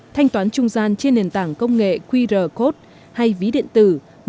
thanh toán trung gian trên nền tảng công nghệ qr code hay ví điện tử